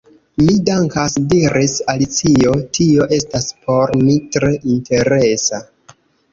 "Mi dankas," diris Alicio, "tio estas por mi tre interesa. »